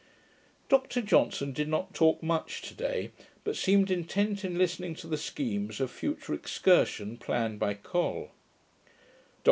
Dr Johnson did not talk much to day, but seemed intent in listening to the schemes of future excursion, planned by Col.